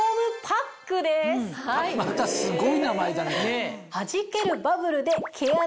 またすごい名前だね。